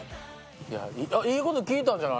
いいこと聞いたんじゃない？